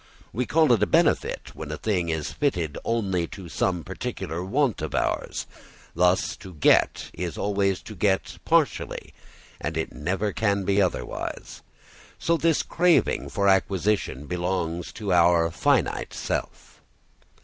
We call it a benefit when a thing is fitted only to some particular want of ours. Thus to get is always to get partially, and it never can be otherwise. So this craving for acquisition belongs to our finite self.